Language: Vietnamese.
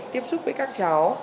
tiếp xúc với các cháu